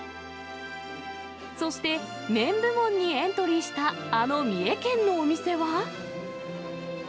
そして麺部門にエントリーした、あの三重県のお店は？